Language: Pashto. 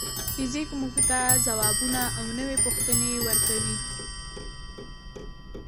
فزیک موږ ته ځوابونه او نوې پوښتنې ورکوي.